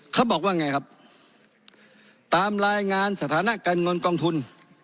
เขาบอกว่าไงครับตามรายงานสถานะการเงินกองทุน